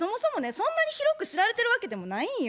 そんなに広く知られてるわけでもないんよ。